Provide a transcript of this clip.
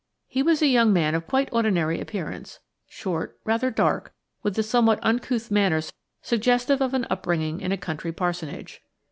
He was a young man of quite ordinary appearance: short, rather dark, with the somewhat uncouth manners suggestive of an upbringing in a country parsonage.